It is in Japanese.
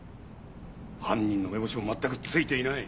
犯人の目星も全くついていない。